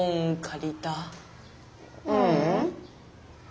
ううん。